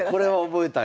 覚えたい。